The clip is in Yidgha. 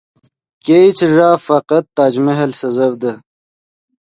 ګئے چے ݱا فقط تاج محل سڤزڤدے